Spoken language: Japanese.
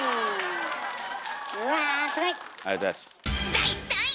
第３位！